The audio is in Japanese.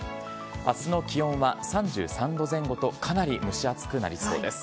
あすの気温は３３度前後と、かなり蒸し暑くなりそうです。